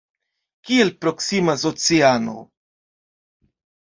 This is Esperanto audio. Kiel proksimas oceano!